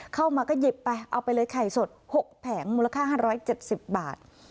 เข้ามาก็หยิบไปเอาไปเลยไข่สด๖แผงมูลค่า๕๗๐บาท